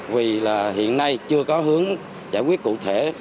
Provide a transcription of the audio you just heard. vì hiện nay chưa có hướng giải quyết cụ thể